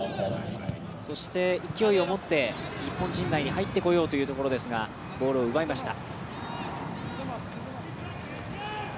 そして、勢いを持って日本陣内に入ってこようというところですがボールを奪いました。